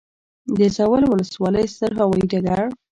د زاول وسلوالی ستر هوایي ډګر